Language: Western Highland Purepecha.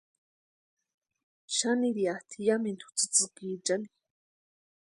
Xanirhiatʼi yamintu tsïtsïkichani.